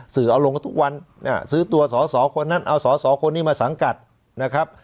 เอาลงกันทุกวันซื้อตัวสอสอคนนั้นเอาสอสอคนนี้มาสังกัดนะครับ